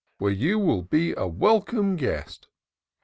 Where you will be a welcome guest.